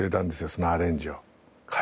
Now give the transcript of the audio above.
そのアレンジを。